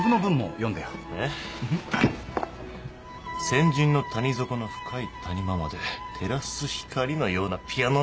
「千尋の谷底の深い谷間まで照らす光のようなピアノの序奏。